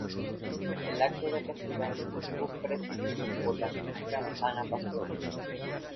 El acto de apertura estuvo presidido por la ministra Ana Pastor.